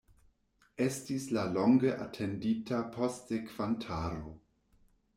Estis la longe atendita postsekvantaro.